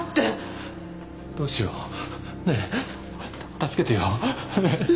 助けてよ。